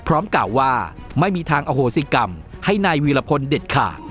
กล่าวว่าไม่มีทางอโหสิกรรมให้นายวีรพลเด็ดขาด